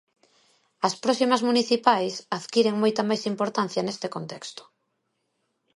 As próximas municipais adquiren moita máis importancia neste contexto.